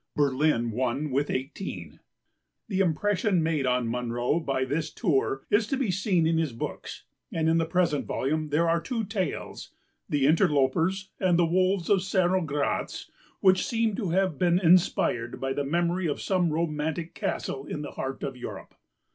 Berlin won with eighteen. The impression made on Munro by this tour is to be seen in his books, and in the present volume there are two tales, The Interlopers and The Wolves of Cernogratz, which seem to have been inspired by the memory of some romantic castle in the heart of Europe.